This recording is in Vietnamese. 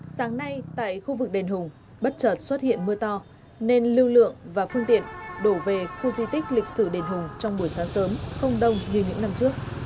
sáng nay tại khu vực đền hùng bất chợt xuất hiện mưa to nên lưu lượng và phương tiện đổ về khu di tích lịch sử đền hùng trong buổi sáng sớm không đông như những năm trước